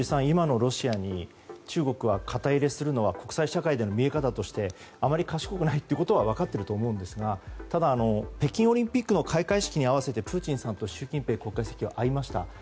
今のロシアに中国が肩入れするのは国際社会の見え方としてあまり賢くないというのは分かっていると思うんですがただ、北京オリンピックの開会式に合わせてプーチンさんと習近平国家主席は会いました。